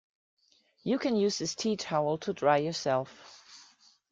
You can use this teatowel to dry yourself.